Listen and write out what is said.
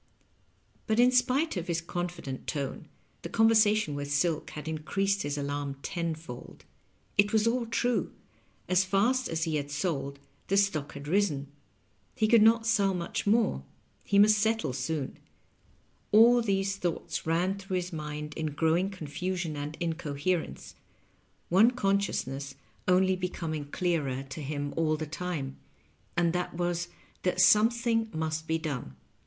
But, in spite of his confident tone, the conversation with Silk had increased his alarm tenfold. It was aU true : as fast as he had sold, the stock had risen ; he could not sell much more; he must settle soon. All these thoughts ran through his mind in growing confusion and incoherence ; one consciousness only becoming clearer to Digitized by VjOOQIC LOVE AND LIGHTNING. 195 him all the time, and that was that something mnst be done.